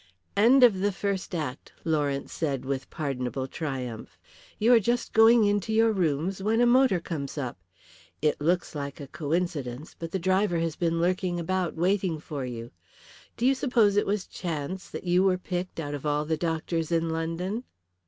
"End of the first act," Lawrence said with pardonable triumph. "You are just going into your rooms when a motor comes up. It looks like a coincidence, but the driver has been lurking about waiting for you. Do you suppose it was chance that you were picked out of all the doctors in London?"